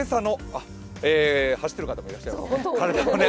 走っている方もいらっしゃいますね。